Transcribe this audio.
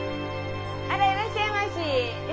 あらいらっしゃいまし。